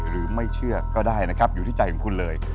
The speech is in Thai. หรือไม่เชื่อก็ได้นะครับอยู่ที่ใจของคุณเลย